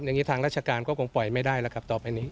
อย่างนี้ทางราชการก็คงปล่อยไม่ได้แล้วครับต่อไปนี้